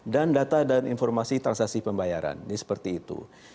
dan data dan informasi transaksi pembayaran ini seperti itu